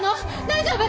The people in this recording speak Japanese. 大丈夫？